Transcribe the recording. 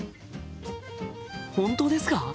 本当ですか！？